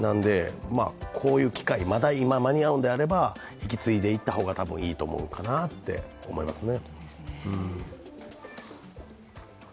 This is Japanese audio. こういう機会、まだ間に合うのであれば引き継いでいった方がいいかなと思いますね。